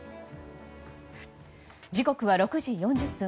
時刻は６時４０分。